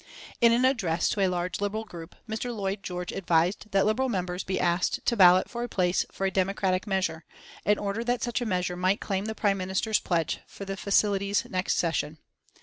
In an address to a large Liberal group Mr. Lloyd George advised that Liberal members be asked to ballot for a place for a "democratic measure," in order that such a measure might claim the Prime Minister's pledge for facilities next session.